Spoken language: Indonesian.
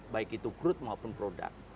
baik itu crude maupun produk